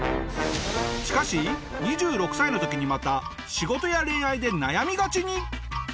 しかし２６歳の時にまた仕事や恋愛で悩みがちに！